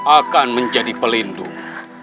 akan menjadi pelindung